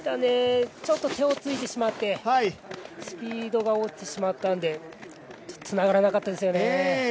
ちょっと手をついてしまって、スピードが落ちてしまったので、つながらなかったですね。